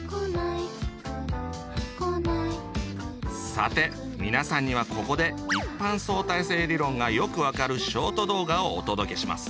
さて皆さんにはここで「一般相対性理論」がよくわかるショート動画をお届けします。